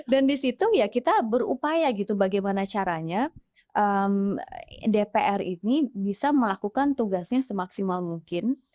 dan di situ ya kita berupaya gitu bagaimana caranya dpr ini bisa melakukan tugasnya semaksimal mungkin